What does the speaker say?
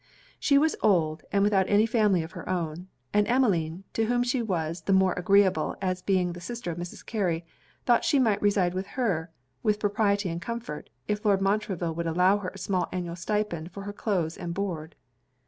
She was old, and without any family of her own; and Emmeline, to whom she was the more agreeable as being the sister of Mrs. Carey, thought she might reside with her with propriety and comfort, if Lord Montreville would allow her a small annual stipend for her cloaths and board.